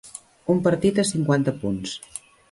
Un partit a cinquanta punts.